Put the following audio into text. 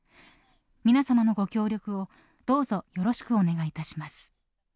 皆様のご協力をどうぞよろしくお願いいたします。